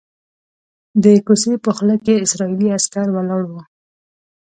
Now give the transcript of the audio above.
د کوڅې په خوله کې اسرائیلي عسکر ولاړ وو.